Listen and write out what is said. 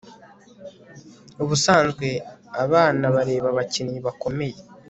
Ubusanzwe abana bareba abakinnyi bakomeye